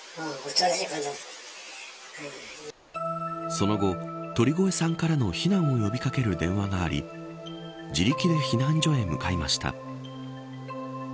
その後、鳥越さんからの避難を呼び掛ける連絡があり自力で避難所へ向かいました。